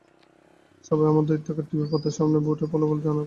সবাই আমরা দৈত্যাকার টিভি পর্দার সামনে ভোটের ফলাফল জানার অপেক্ষায় বসে আছি।